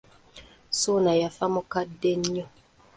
Ssuuna yafa mukadde nnyo.